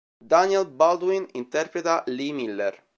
Daniel Baldwin interpreta Lee Miller.